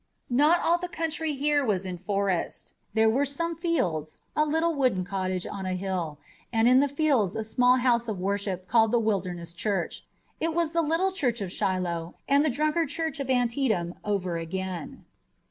Not all the country here was in forest. There were some fields, a little wooden cottage on a hill, and in the fields a small house of worship called the Wilderness Church. It was the little church of Shiloh and the Dunkard church of Antietam over again.